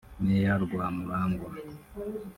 Meya Rwamurangwa